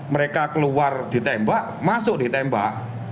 mereka keluar ditembak masuk ditembak